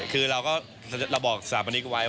คือเราก็เราบอกสถาปนิกไว้